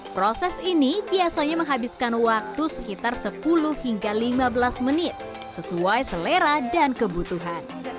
proses ini biasanya menghabiskan waktu sekitar sepuluh hingga lima belas menit sesuai selera dan kebutuhan